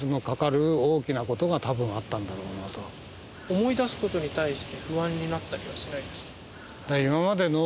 思い出すことに対して不安になったりはしないんですか？